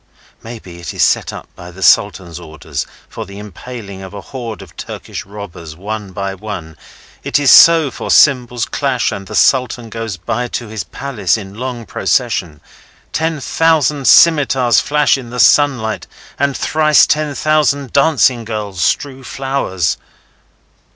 Maybe it is set up by the Sultan's orders for the impaling of a horde of Turkish robbers, one by one. It is so, for cymbals clash, and the Sultan goes by to his palace in long procession. Ten thousand scimitars flash in the sunlight, and thrice ten thousand dancing girls strew flowers.